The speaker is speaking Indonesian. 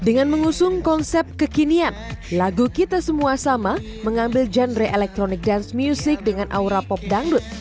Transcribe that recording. dengan mengusung konsep kekinian lagu kita semua sama mengambil genre electronic dance music dengan aura pop dangdut